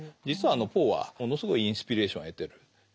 実はポーはものすごいインスピレーションを得てる。